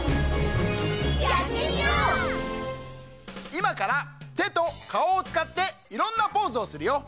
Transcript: いまからてとかおをつかっていろんなポーズをするよ。